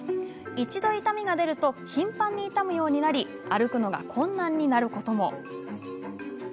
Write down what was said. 一度痛みが出ると頻繁に痛むようになり歩くのが困難になることも。